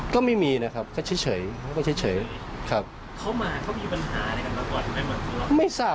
ก็ไม่มีนะครับเขาเฉยเขาก็เฉยครับ